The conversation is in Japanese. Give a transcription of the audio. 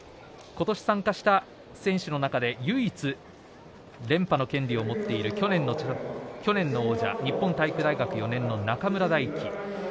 今年、参加した選手の中で唯一連覇の権利を持っている去年の日本体育大学４年の中村泰輝